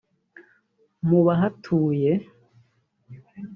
Mu bahatuye